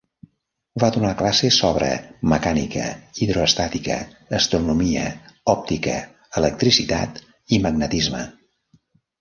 Va donar classes sobre mecànica, hidroestàtica, astronomia, òptica, electricitat i magnetisme.